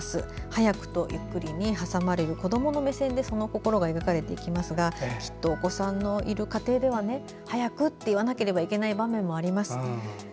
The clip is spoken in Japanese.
「はやく」と「ゆっくり」に挟まれる子どもの目線でその心が描かれていきますがきっとお子さんのいる家庭では「はやく」と言わなければいけない場面もあります。